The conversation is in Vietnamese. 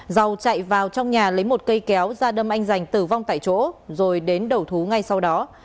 dầu chạy vào trong nhà lấy một cây kéo ra đâm anh giành tử vong tại chỗ rồi đến đầu thú ngay sau đó